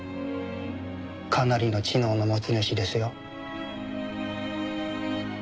かなりの知能の持ち主ですよ。